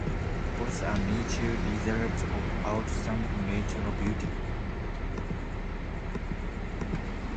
Both are nature reserves of outstanding natural beauty.